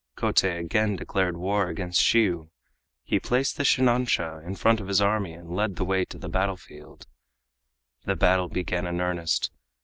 Kotei again declared war against Shiyu. He placed the shinansha in front of his army and led the way to the battlefield. The battle began in earnest.